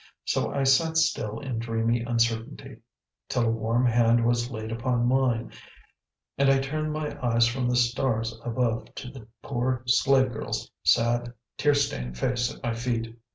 So I sat still in dreamy uncertainty, till a warm hand was laid upon mine, and I turned my eyes from the stars above to the poor slave girl's sad, tear stained face at my feet.